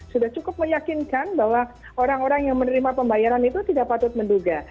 sudah cukup meyakinkan bahwa orang orang yang menerima pembayaran itu tidak patut menduga